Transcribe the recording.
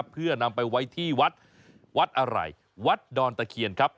เพื่อนำไปไว้ที่วัดวัดอะไรวัดดอนตะเคียนครับ